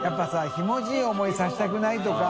ひもじい思いさせたくないとか。